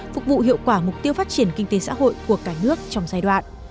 phục vụ hiệu quả mục tiêu phát triển kinh tế xã hội của cả nước trong giai đoạn